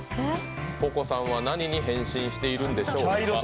歩子さんは何に変身してるんでしょうか。